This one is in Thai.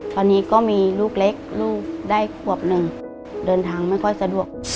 ตอนนี้ก็มีลูกเล็กลูกได้ขวบหนึ่งเดินทางไม่ค่อยสะดวก